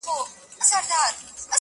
جادوګر په شپه کي وتښتېد له ښاره!